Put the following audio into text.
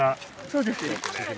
そうですね。